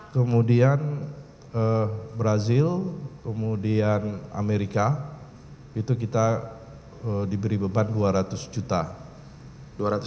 kemudian brazil kemudian amerika itu kita diberi beban dua ratus juta